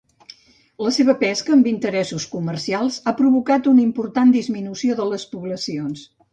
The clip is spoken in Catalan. La seva pesca amb interessos comercials ha provocat una important disminució de les poblacions.